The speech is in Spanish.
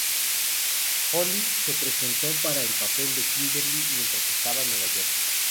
Holly se presentó para el papel de "Kimberley" mientras estaba en Nueva York.